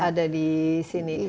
ada di sini